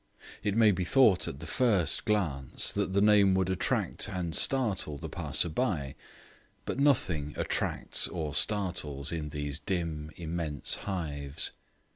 It may be thought at the first glance that the name would attract and startle the passer by, but nothing attracts or startles in these dim immense hives.